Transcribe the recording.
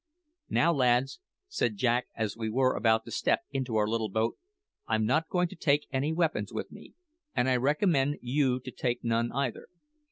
"Now, lads," said Jack as we were about to step into our little boat, "I'm not going to take any weapons with me, and I recommend you to take none either.